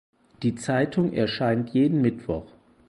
Die Zeitung erscheint jeden Mittwoch.